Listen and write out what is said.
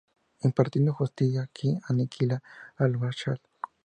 Impartiendo justicia, Ky aniquila al Marshal.